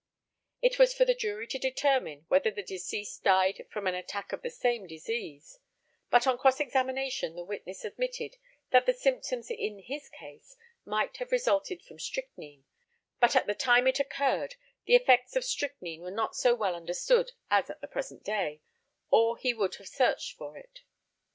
It was for the jury to determine whether the deceased died from an attack of the same disease; but on cross examination the witness admitted that the symptoms in his case might hive resulted from strychnine, but at the time it occurred the effects of strychnine were not so well understood as at the present day, or he would have searched for it.